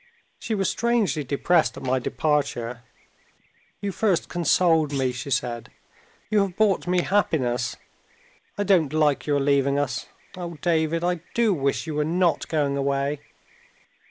She was strangely depressed at my departure. "You first consoled me," she said; "you have brought me happiness. I don't like your leaving us. Oh, David, I do wish you were not going away!"